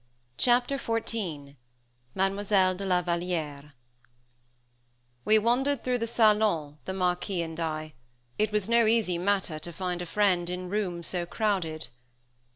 Chapter XIV MADEMOISELLE DE LA VALLIÈRE We wandered through the salons, the Marquis and I. It was no easy matter to find a friend in rooms so crowded.